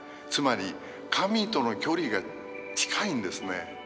つまり神との距離が近いんですね。